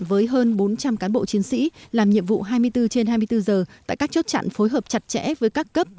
với hơn bốn trăm linh cán bộ chiến sĩ làm nhiệm vụ hai mươi bốn trên hai mươi bốn giờ tại các chốt chặn phối hợp chặt chẽ với các cấp